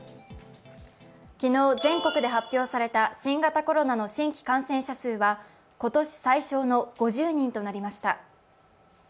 昨日、全国で発表された新型コロナの新規感染者数は今年最小の５０人となりました。